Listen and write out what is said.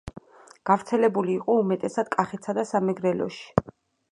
გავრცელებული იყო უმეტესად კახეთსა და სამეგრელოში.